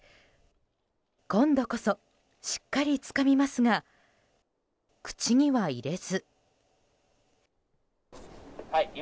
今度こそ、しっかりつかみますが口には入れず。